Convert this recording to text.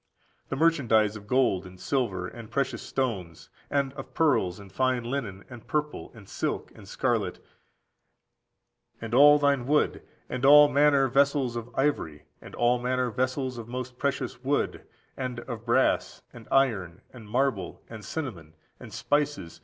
The merchandise of gold, and silver, and precious stones, and of pearls, and fine linen, and purple, and silk, and scarlet, and all thyine wood, and all manner vessels of ivory, and all manner vessels of most precious wood, and of brass, and iron, and marble, and cinnamon, and spices,14811481 ἄμωμον, omitted in the received text.